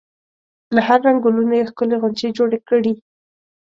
له هر رنګ ګلونو یې ښکلې غونچې جوړې کړي.